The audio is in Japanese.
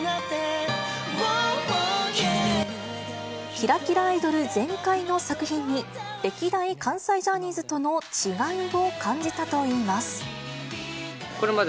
きらきらアイドル全開の作品に、歴代関西ジャニーズとの違いを感じたといいます。